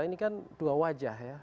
ini kan dua wajah ya